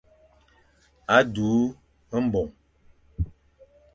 A du mbong.